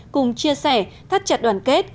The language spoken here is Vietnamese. cùng chia sẻ thắt chặt đoàn kết